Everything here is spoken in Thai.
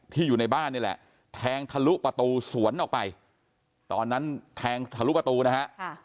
อยู่ในบ้านนี่แหละแทงทะลุประตูสวนออกไปตอนนั้นแทงทะลุประตูนะฮะ